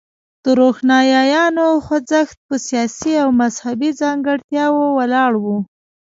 د روښانیانو خوځښت په سیاسي او مذهبي ځانګړتیاوو ولاړ و.